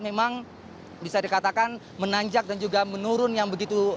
memang bisa dikatakan menanjak dan juga menurun yang begitu